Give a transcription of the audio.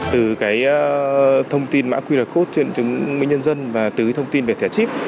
từ thông tin mã quy luật cốt chứng minh nhân dân và từ thông tin về thẻ chip